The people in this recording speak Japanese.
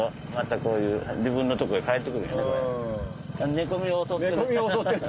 寝込みを襲ってる。